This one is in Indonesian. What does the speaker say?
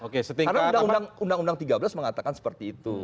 karena undang undang tiga belas mengatakan seperti itu